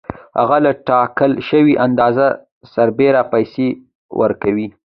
هغه له ټاکل شوې اندازې سربېره پیسې ورکوي